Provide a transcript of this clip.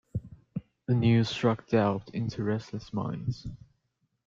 The news struck doubt into restless minds.